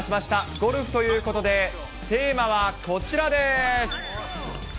ゴルフということで、テーマはこちらです。